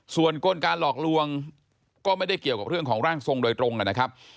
ส่วนกลการหลอกลวงก็ไม่ได้เกี่ยวกับเรื่องของร่างทรงโดยตรงนะครับ